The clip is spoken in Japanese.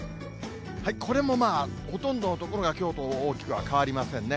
これもまあ、ほとんどの所がきょうと大きくは変わりませんね。